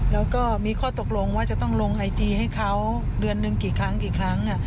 แล้วก็มีข้อตกลงว่าจะต้องลงไอจีให้เขาเดือนหนึ่งกี่ครั้งกี่ครั้ง